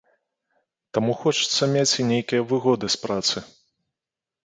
Таму хочацца мець і нейкія выгоды з працы.